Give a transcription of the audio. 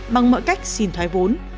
bằng mọi cách xin thoái vốn